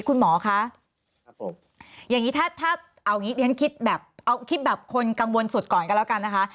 คุณหมอคะอย่างนี้ถ้าเอาอย่างนี้คิดแบบคนกังวลสุดก่อนกันแล้วกันนะคะ